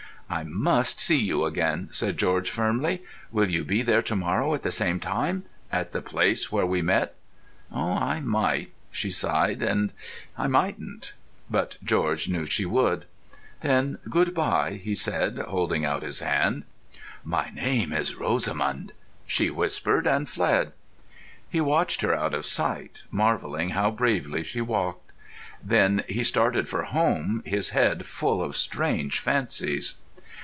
"I must see you again," said George firmly. "Will you be there to morrow, at the same time—at the place where we met?" "I might." She sighed. "And I mightn't." But George knew she would. "Then good bye," he said, holding out his hand. "My name is Rosamund," she whispered, and fled. He watched her out of sight, marvelling how bravely she walked. Then he started for home, his head full of strange fancies....